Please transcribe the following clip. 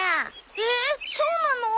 えっそうなの？